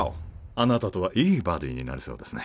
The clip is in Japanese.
あなたとはいいバディになれそうですね